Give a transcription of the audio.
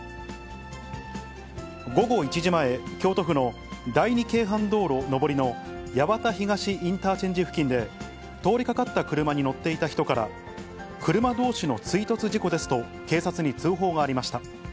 午後１時前、京都府の第二京阪道路上りの八幡東インターチェンジ付近で通りかかった車に乗っていた人から、車どうしの追突事故ですと、警察に通報がありました。